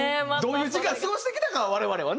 どういう時間過ごしてきたかは我々はね。